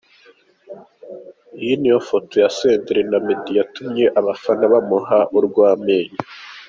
Iyi niyo foto ya Senderi na Meddy yatumye abafana bamuha urw’amenyo.